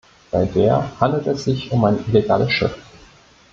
Bei der handelte es sich um ein illegales Schiff.